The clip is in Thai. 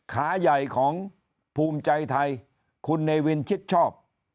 ขาใหญ่ของภูมิใจไทยคุณเนวินชิดชอบ